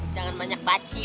jangan banyak baciot